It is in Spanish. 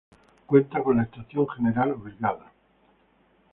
Cuenta con la Estación General Obligado.